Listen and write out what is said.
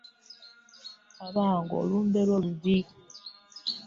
Abange olumbe lwo lubbi .